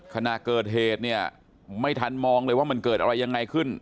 ขณะเกิดเหตุเนี่ยไม่ทันมองเลยว่ามันเกิดอะไรยังไงขึ้น